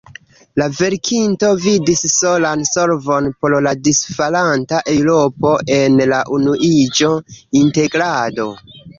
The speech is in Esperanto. La verkinto vidis solan solvon por la disfalanta Eŭropo en la unuiĝo, integrado.